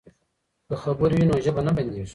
که خبرې وي نو ژبه نه بندیږي.